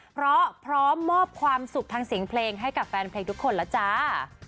เพราะพร้อมมอบความสุขทางเสียงเพลงให้กับแฟนเพลงทุกคนแล้วจ้า